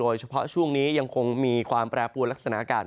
โดยเฉพาะช่วงนี้ยังคงมีความแปรปวนลักษณะอากาศ